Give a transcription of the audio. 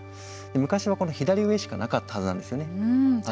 昔は左上しかなかったはずなんですよね。